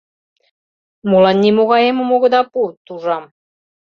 Молан нимогай эмым огыда пу?» — тужам.